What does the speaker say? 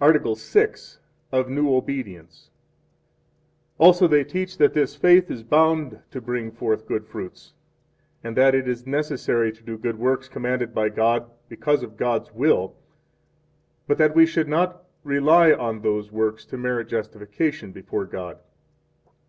Article VI. Of New Obedience. 1 Also they teach that this faith is bound to bring forth good fruits, and that it is necessary to do good works commanded by God, because of God's will, but that we should not rely on those works to merit justification 2 before God.